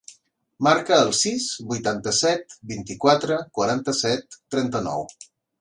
Marca el sis, vuitanta-set, vint-i-quatre, quaranta-set, trenta-nou.